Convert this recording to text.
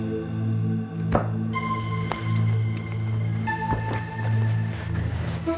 sampai jumpa lagi mams